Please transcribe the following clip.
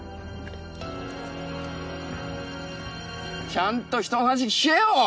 ちゃんと人の話聞けよ！